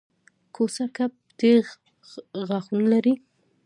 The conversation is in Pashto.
کوسه کب تېز غاښونه لري